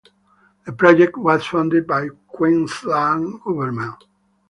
The project was funded by the Queensland Government.